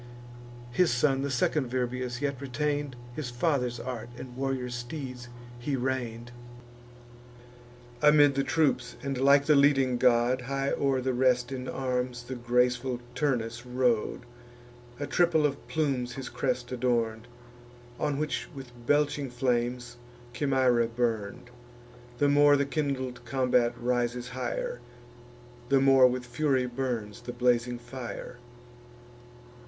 His son, the second Virbius, yet retain'd His father's art, and warrior steeds he rein'd. Amid the troops, and like the leading god, High o'er the rest in arms the graceful Turnus rode: A triple of plumes his crest adorn'd, On which with belching flames Chimaera burn'd: The more the kindled combat rises high'r, The more with fury burns the blazing fire.